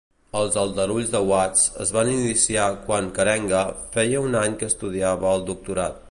Els aldarulls de Watts es van iniciar quan Karenga feia un any que estudiava el doctorat.